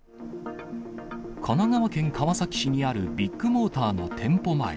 神奈川県川崎市にあるビッグモーターの店舗前。